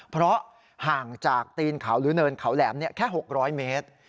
เพราะห่างจากตีนเขาหรือเนินเขาแหลมแค่๖๐๐เมตร